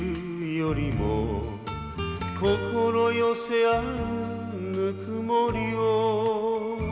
「心寄せ合うぬくもりを」